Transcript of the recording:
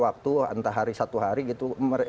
waktu entah hari satu hari gitu